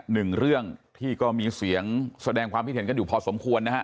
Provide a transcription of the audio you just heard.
หนึ่งเรื่องที่ก็มีเสียงแสดงความคิดเห็นกันอยู่พอสมควรนะฮะ